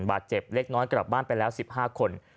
บาดเจ็บเล็กน้อยกลับบ้านไปแล้ว๑๕คน